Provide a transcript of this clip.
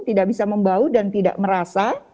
tidak bisa membau dan tidak merasa